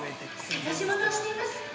◆捜し物をしています。